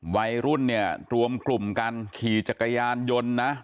วัยรุ่นเนี่ยรวมกลุ่มกันขี่จักรยานยนต์นะ